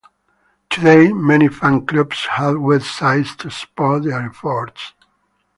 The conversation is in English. Today, many fan clubs have web sites to support their efforts.